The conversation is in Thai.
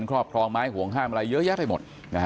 ครอบครองไม้ห่วงห้ามอะไรเยอะแยะไปหมด